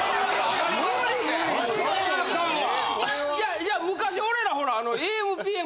いや昔俺らほら。